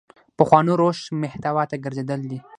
پخوانو روش محتوا ته ګرځېدل دي.